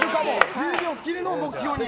１０秒を切るのを目標に。